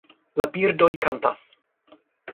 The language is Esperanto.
La birdoj kantas